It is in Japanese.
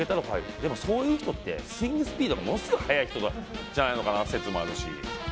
でもそういう人ってスイングスピードがものすごく速い人じゃないのかなという説もあるし。